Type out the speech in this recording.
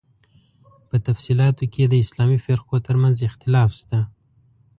په تفصیلاتو کې یې د اسلامي فرقو تر منځ اختلاف شته.